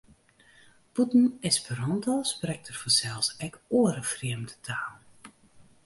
Bûten Esperanto sprekt er fansels ek oare frjemde talen.